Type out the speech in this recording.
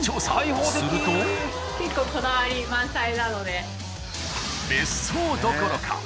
結構こだわり満載なので。